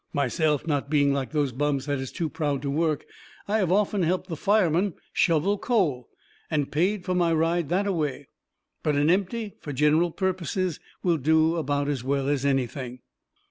Myself, not being like these bums that is too proud to work, I have often helped the fireman shovel coal and paid fur my ride that a way. But an empty, fur gineral purposes, will do about as well as anything.